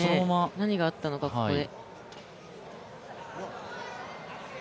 何があったのか、ここで。